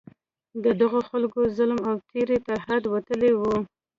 د دغو خلکو ظلم او تېری تر حده وتلی وو.